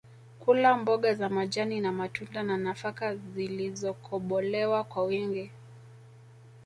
Kula mboga za majani na matunda na nafaka zisizokobolewa kwa wingi